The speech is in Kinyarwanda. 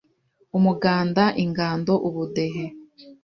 umuganda, ingando, ubudehe